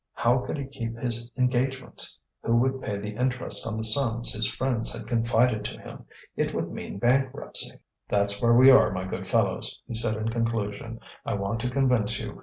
How could he keep his engagements? Who would pay the interest on the sums his friends had confided to him? It would mean bankruptcy. "That's where we are, my good fellows," he said, in conclusion. "I want to convince you.